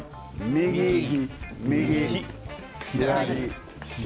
右、右、左、左。